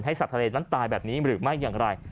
สัตว์ทะเลนั้นตายแบบนี้หรือไม่อย่างไร